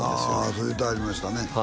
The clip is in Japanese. あそう言うてはりましたね